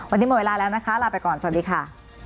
วันนี้หมดเวลาแล้วนะคะลาไปก่อนสวัสดีค่ะ